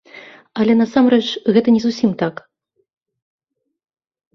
Але, насамрэч, гэта не зусім так.